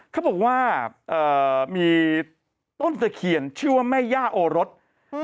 เขาบอกว่ามีต้นตะเคียนชื่อว่าแม่ย่าโอรส